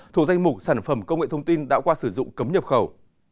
thuộc danh mục sản phẩm công nghệ thông tin đã qua sử dụng cấm nhập khẩu